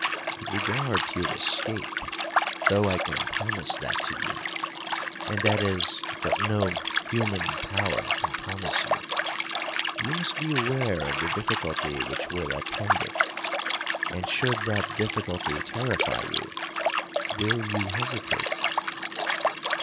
'With regard to your escape, though I can promise that to you, (and that is what no human power can promise you), you must be aware of the difficulty which will attend it,—and, should that difficulty terrify you, will you hesitate?'